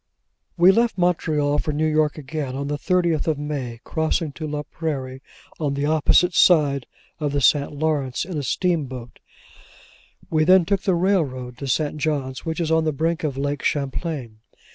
We left Montreal for New York again, on the thirtieth of May, crossing to La Prairie, on the opposite shore of the St. Lawrence, in a steamboat; we then took the railroad to St. John's, which is on the brink of Lake Champlain.